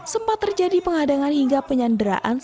sempat terjadi pengadangan hingga penyanderaan